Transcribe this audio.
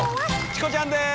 チコちゃんです